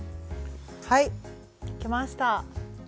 はいできました！